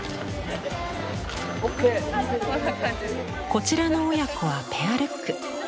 こちらの親子はペアルック。